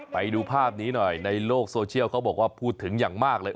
ไปดูภาพนี้หน่อยในโลกโซเชียลเขาบอกว่าพูดถึงอย่างมากเลย